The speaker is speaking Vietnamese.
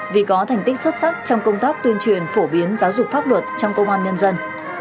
vì có thành tích xuất sắc trong công tác tuyên truyền phổ biến giáo dục pháp luật trong công an nhân dân